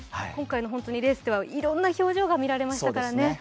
今回のレースではいろんな氷上が見られましたからね。